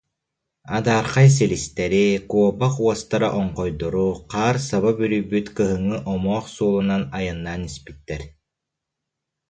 Адаархай силистэри, куобах уостара оҥхойдору, хаар саба бүрүйбүт кыһыҥҥы омоох суолунан айаннаан испиттэр